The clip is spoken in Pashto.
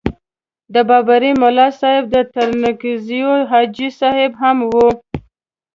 د بابړي ملاصاحب او ترنګزیو حاجي صاحب هم وو.